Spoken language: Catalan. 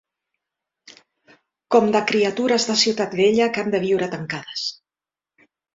Com de criatures de ciutat vella que han de viure tancades